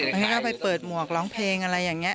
มันก็ไปเปิดหมวกร้องเพลงอะไรอย่างนี้